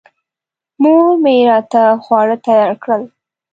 مور مې راته خواړه تیار کړل.